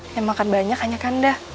yang makan banyak hanya kanda